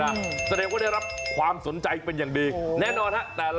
อ๋อไม่ได้พกฝีมืออย่างเดียวนะ